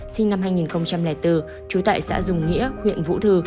sinh năm hai nghìn bốn trú tại xã dùng nghĩa huyện vũ thư